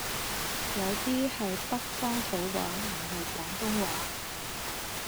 有 D 係北方土話唔係廣東話